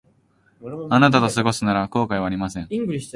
あなたと過ごすなら後悔はありません